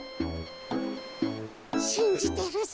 しんじてるぞ。